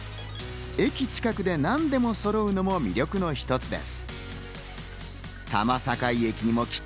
駅近くで何でもそろうのも魅力の一つです。